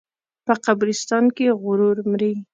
په قبرستان کې غرور مري.